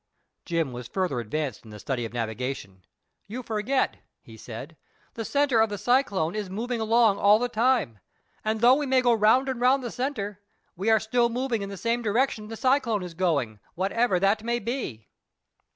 Jim was further advanced in the study of navigation. "You forget," he said, "the centre of the cyclone is moving along all the time, and though we may go round and round the centre, we are still moving in the same direction as the cyclone is going, whatever that may be."